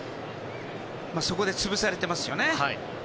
そこで潰されていますよね。